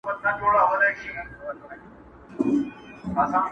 د سورلنډیو انګولا به پښتانه بېروي!!